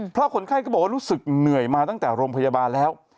เพราะคนไข้ก็บอกว่ารู้สึกเหนื่อยมาตั้งแต่โรงพยาบาลแล้ว